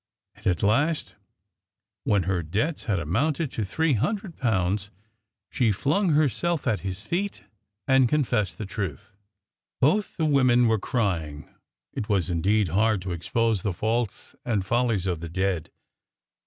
And at last, when her debts had amounted to three hundred pounds, she flung herself at his feet and confessed the truth." Both the women were crying. It was indeed hard to expose the faults and follies of the dead.